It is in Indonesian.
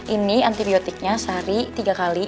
ini antibiotiknya sehari tiga kali